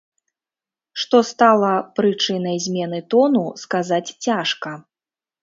Што стала прычынай змены тону, сказаць цяжка.